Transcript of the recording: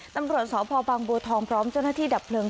ตำรวจสพบางบัวทองพร้อมเจ้าหน้าที่ดับเพลิง